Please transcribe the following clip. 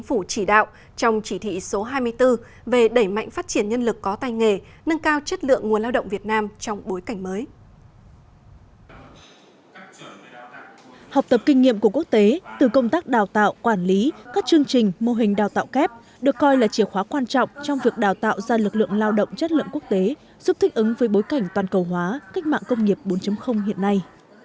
học tập kinh nghiệm của quốc tế từ công tác đào tạo quản lý các chương trình mô hình đào tạo kép được coi là chìa khóa quan trọng trong việc đào tạo ra lực lượng lao động chất lượng quốc tế giúp thích ứng với bối cảnh toàn cầu hóa cách mạng công nghiệp bốn hiện nay